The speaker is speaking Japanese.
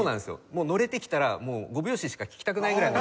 もうのれてきたらもう５拍子しか聴きたくないぐらい。